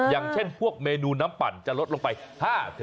อย่างเช่นพวกเมนูน้ำปั่นจะลดลงไป๕๐